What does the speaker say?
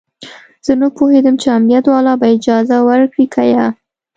زه نه پوهېدم چې امنيت والا به اجازه ورکړي که يه.